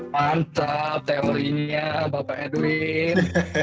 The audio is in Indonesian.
mantap teori nya bapak edwin